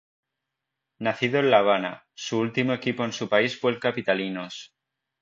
Nacido en la Habana, su último equipo en su país fue el Capitalinos.